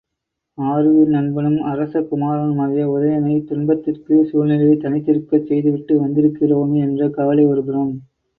ஆருயிர் நண்பனும் அரசகுமாரனுமாகிய உதயணனைத் துன்பத்திற்குரிய சூழ்நிலையில் தனித்திருக்கச் செய்துவிட்டு வந்திருக்கிறோமே என்ற கவலை ஒருபுறம்.